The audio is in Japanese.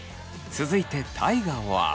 続いて大我は。